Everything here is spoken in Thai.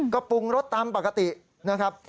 ก็ปรุงรสตามปกตินะครับ